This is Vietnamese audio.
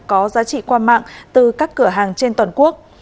có giá trị qua mạng từ các cửa hàng trên toàn quốc